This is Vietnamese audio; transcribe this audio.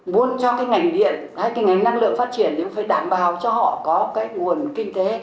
muốn cho ngành điện hay ngành năng lượng phát triển thì phải đảm bảo cho họ có nguồn kinh tế